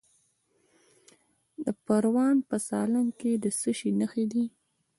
د پروان په سالنګ کې د څه شي نښې دي؟